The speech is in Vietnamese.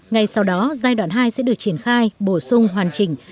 ngay sau đó giai đoạn hai sẽ được triển khai bổ sung hoàn chỉnh